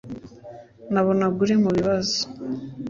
Nabonaga uri mubibazo